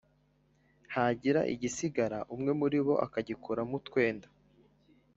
hagira igisigara umwe muri bo akaguramo utwenda.